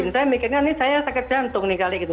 saya mikirnya ini saya sakit jantung nih kali gitu